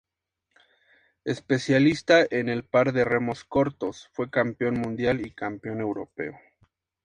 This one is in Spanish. Especialista en el par de remos cortos, fue Campeón Mundial y Campeón Europeo.